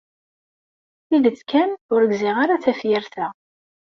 Tidet kan, ur gziɣ ara tafyirt-a.